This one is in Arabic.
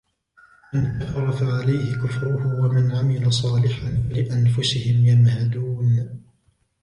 من كفر فعليه كفره ومن عمل صالحا فلأنفسهم يمهدون